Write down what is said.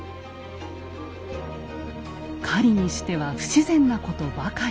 狩りにしては不自然なことばかり。